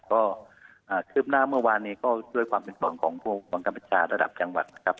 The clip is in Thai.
ก็เคลือบหน้าเมื่อวานนี้ก็ด้วยความเป็นฝังของวงการประชาระดับจังหวัดนะครับ